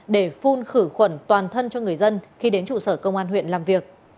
để phun khử khuẩn toàn thân cho người dân khi đến trụ sở công an huyện làm việc